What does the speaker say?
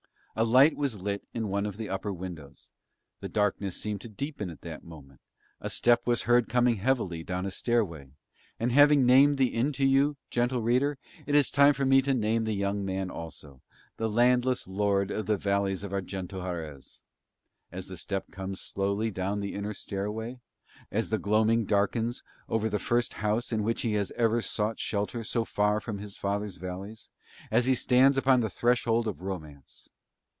A light was lit in one of the upper windows, the darkness seemed to deepen at that moment, a step was heard coming heavily down a stairway; and having named the inn to you, gentle reader, it is time for me to name the young man also, the landless lord of the Valleys of Arguento Harez, as the step comes slowly down the inner stairway, as the gloaming darkens over the first house in which he has ever sought shelter so far from his father's valleys, as he stands upon the threshold of romance.